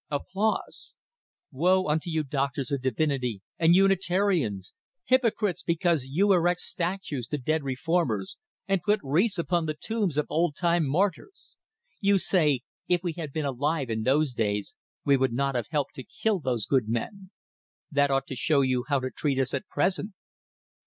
Woe unto you doctors of divinity and Unitarians, hypocrites! because you erect statues to dead reformers, and put wreaths upon the tombs of old time martyrs. You say, if we had been alive in those days, we would not have helped to kill those good men. That ought to show you how to treat us at present.